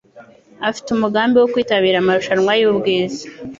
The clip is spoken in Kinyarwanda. Afite umugambi wo kwitabira amarushanwa yubwiz